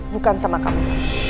bukan sama kamu